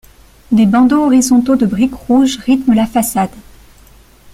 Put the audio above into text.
Des bandeaux horizontaux de brique rouge rythment la façade.